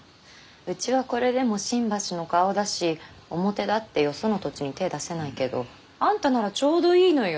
うちはこれでも新橋の顔だし表立ってよその土地に手ぇ出せないけどあんたならちょうどいいのよ。